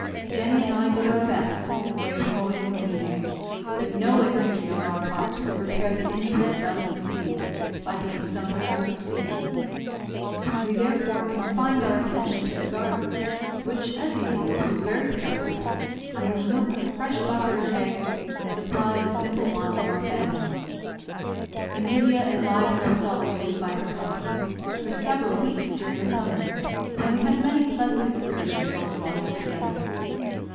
Jenny and I did our best in the way of hoeing and weeding; but no industry on our part could repair the injury done to the seed by being sown out of season. We therefore confined our attention to the garden, which, as usual, was very productive, and with milk, fresh butter, and eggs, supplied the simple wants of our family. Emilia enlivened our solitude by her company, for several weeks during the summer, and we had many pleasant excursions on the water together.